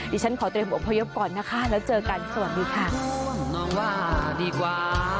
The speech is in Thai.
ดิฉันขอเตรียมหัวพยพก่อนนะคะแล้วเจอกันสวัสดีค่ะ